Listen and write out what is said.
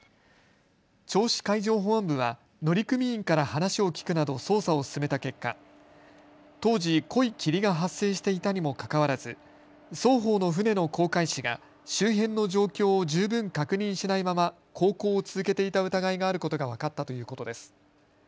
銚子海上保安部は乗組員から話を聞くなど捜査を進めた結果、当時、濃い霧が発生していたにもかかわらず双方の船の航海士が周辺の状況を十分確認しないまま航行を続けていた疑いがあることが分かったということです。